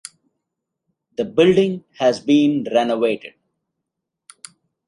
The building has been renovated.